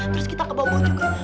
terus kita kebobo juga